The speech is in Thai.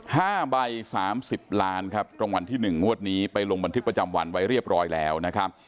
ห้าใบสามสิบล้านครับรางวัลที่หนึ่งงวดนี้ไปลงบันทึกประจำวันไว้เรียบร้อยแล้วนะครับ